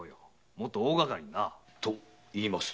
もっと大がかりのな。といいますと？